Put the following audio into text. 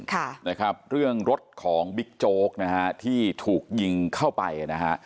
ค่ะนะครับเรื่องรถของบิ๊กโจ๊กนะฮะที่ถูกยิงเข้าไปนะฮะ